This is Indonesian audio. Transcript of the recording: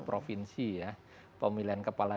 provinsi ya pemilihan kepala